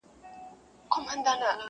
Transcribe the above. ښه او بد د قاضي ټول ورته عیان سو,